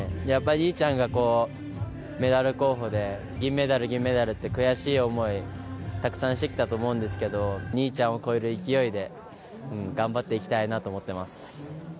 やっぱり兄ちゃんがこう、メダル候補で、銀メダル、銀メダルって、悔しい思いたくさんしてきたと思うんですけど、兄ちゃんを超える勢いで、頑張っていきたいなと思ってます。